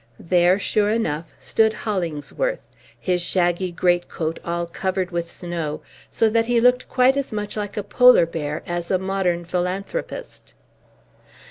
There, sure enough, stood Hollingsworth, his shaggy greatcoat all covered with snow, so that he looked quite as much like a polar bear as a modern philanthropist.